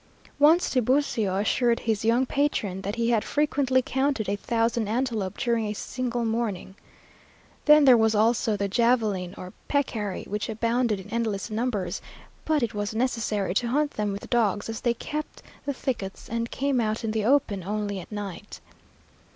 Once Tiburcio assured his young patron that he had frequently counted a thousand antelope during a single morning. Then there was also the javeline or peccary which abounded in endless numbers, but it was necessary to hunt them with dogs, as they kept the thickets and came out in the open only at night.